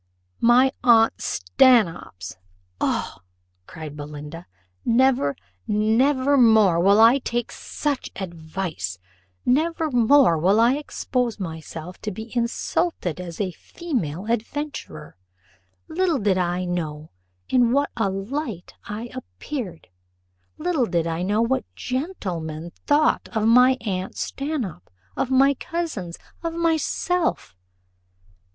"My aunt Stanhope's! O," cried Belinda, "never, never more will I take such advice; never more will I expose myself to be insulted as a female adventurer. Little did I know in what a light I appeared; little did I know what gentlemen thought of my aunt Stanhope, of my cousins, of myself!"